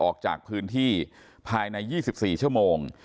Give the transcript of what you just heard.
ออกจากพื้นที่ภายใน๒๔ชั่วโมง